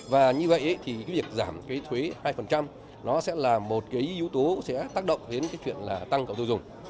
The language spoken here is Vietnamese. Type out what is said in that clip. và như vậy thì việc giảm thuế hai nó sẽ là một yếu tố sẽ tác động đến chuyện tăng cầu tiêu dùng